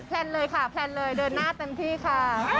แลนเลยค่ะแพลนเลยเดินหน้าเต็มที่ค่ะ